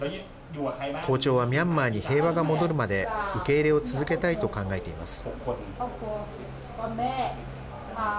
校長はミャンマーに平和が戻るまで受け入れを続けたいと考えています。